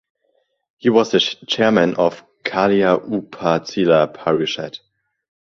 He was the chairman of Kalia Upazila Parishad.